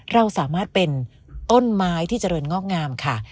เราสามารถเป็นต้นไม้ที่เจริญงอกงามค่ะ